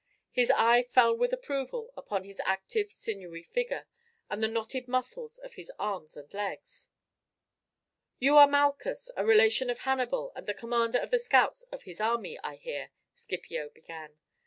His eye fell with approval upon his active sinewy figure, and the knotted muscles of his arms and legs. "You are Malchus, a relation of Hannibal, and the commander of the scouts of his army, I hear," Scipio began.